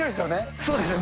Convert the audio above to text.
そうですよね。